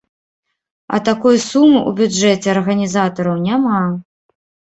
А такой сумы ў бюджэце арганізатараў няма.